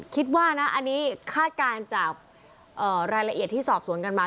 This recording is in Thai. คิดว่านะอันนี้คาดการณ์จากรายละเอียดที่สอบสวนกันมา